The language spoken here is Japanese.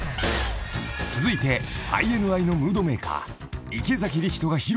［続いてＩＮＩのムードメーカー］